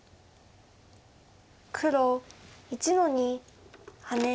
黒１の二ハネ。